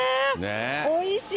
おいしい。